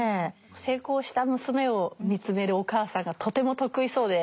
成功した娘を見つめるお母さんがとても得意そうでいいですよね。